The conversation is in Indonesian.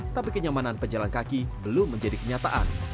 tapi kenyamanan pejalan kaki belum menjadi kenyataan